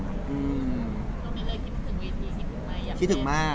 คิดถึงวีทีคิดถึงไหม